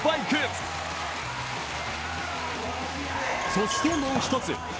そしてもう一つ。